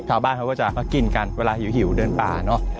ชาวบ้านเขาก็จะกินกันเวลาหิวเดินป่าเนอะ